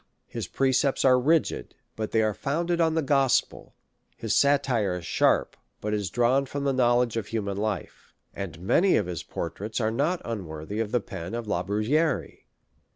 His precepts are rigid, but they are founded on the gospel ; his satire is sharp, but is drawn from the knowledge of human life ; and many of liis portraits are not unwor thy the pen of La Bruyere.